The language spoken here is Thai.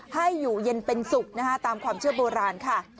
ให้อยู่เย็นเป็นสุขนะคะตามความเชื่อโบราณค่ะ